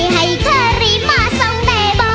ให้เค้ารีมมาส่งได้บ่